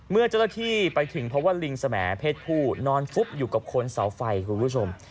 เมื่อเจ้าหน้าที่ไปถึงเพราะว่าลิงสมเพศผู้นอนฟุบอยู่กับคนเสาไฟคุณผู้ชม